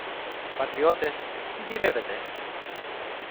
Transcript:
Πατριώτες, τι γυρεύετε;